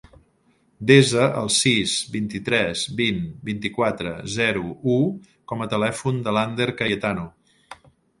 Desa el sis, vint-i-tres, vint, vint-i-quatre, zero, u com a telèfon de l'Ander Cayetano.